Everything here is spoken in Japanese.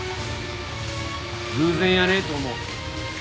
偶然やねえと思う。